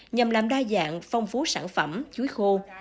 nhằm làm đa dạng phong phú sản phẩm chuối khô